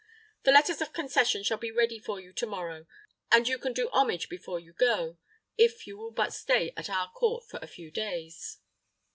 The letters of concession shall be ready for you to morrow, and you can do homage before you go, if you will but stay at our court for a few days."